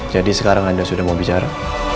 jadi sekarang anda sudah mau bicara